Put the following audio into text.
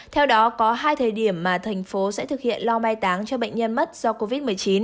theo đó có hai thời điểm mà thành phố sẽ thực hiện lo mai táng cho bệnh nhân mất do covid một mươi chín